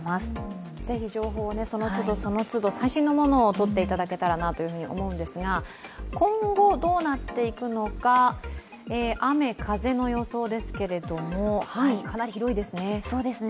是非情報をそのつど最新のものを取っていただければと思うんですが今後、どうなっていくのか雨・風の予想ですけれども黒いですね。